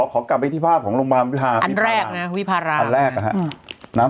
ขอกลับไปที่ภาพโรงการวิพารา